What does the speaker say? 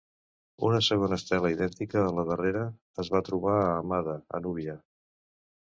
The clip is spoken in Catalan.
Una segona estela idèntica a la darrera es va trobar a Amada a Núbia.